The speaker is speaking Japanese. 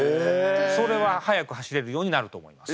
それは速く走れるようになると思います。